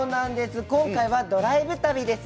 今回はドライブ旅です。